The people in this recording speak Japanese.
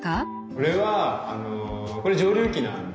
これはあのこれ蒸留機なんです。